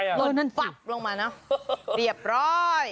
มือนั่นปับลงมาเนอะเรียบร้อย